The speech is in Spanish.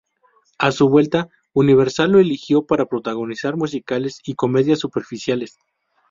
A su vuelta, Universal lo eligió para protagonizar musicales y comedias superficiales.